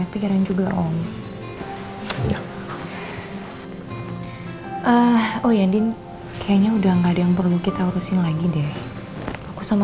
pikiran juga om ya oh ya din kayaknya udah nggak ada yang perlu kita urusin lagi deh aku sama